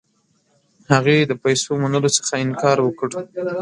هغې د پیسو منلو څخه انکار وکړ.